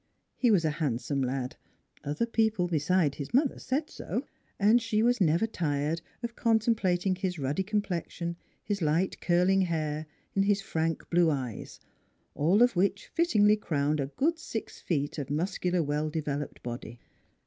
He was a handsome 92 NEIGHBORS lad other people besides his mother said so and she was never tired of contemplating his ruddy complexion, his light curling hair, his frank blue eyes, all of which fittingly crowned a good six feet of muscular, well developed body.